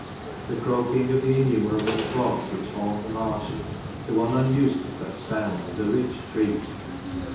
The croaking of the innumerable frogs which haunt the marshes, to one unused to such sounds, is a rich treat.